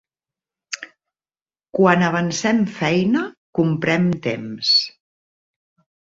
Quan avancem feina «comprem» temps.